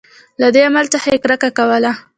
له دې عمل څخه یې کرکه کوله.